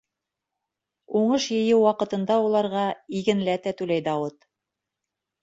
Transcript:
Уңыш йыйыу ваҡытында уларға игенләтә түләй Дауыт.